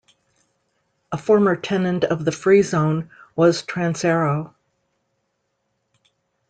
A former tenant of the Free Zone was Transaero.